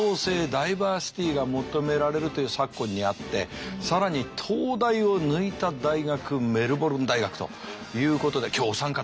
ダイバーシティーが求められるという昨今にあって更に東大を抜いた大学メルボルン大学ということで今日お三方